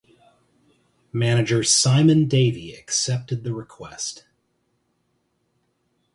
Manager Simon Davey accepted the request.